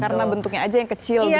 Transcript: karena bentuknya aja yang kecil gitu ya